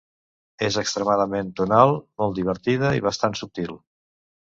És extremadament tonal, molt divertida i bastant subtil.